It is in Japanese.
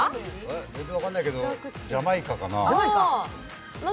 全然分からないけどジャマイカかな。